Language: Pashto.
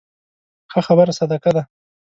ښه خبره صدقه ده